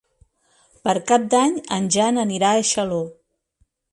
Per Cap d'Any en Jan anirà a Xaló.